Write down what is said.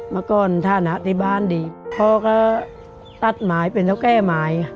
มักก็ธาตุหนักที่บ้านดีเจ้าพ่อก็ตัดหมายเป็นโฉ้แก้หมาย